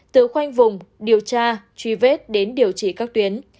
từ khoanh vùng điều tra truy vết đến điều trị các tuyến